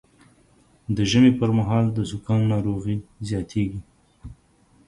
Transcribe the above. د ژمي پر مهال د زکام ناروغي زیاتېږي